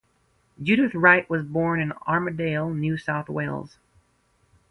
Judith Wright was born in Armidale, New South Wales.